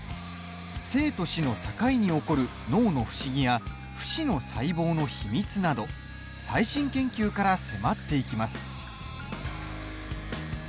生と死の境に起こる脳の不思議や不死の細胞の秘密など最新研究から迫っていきます。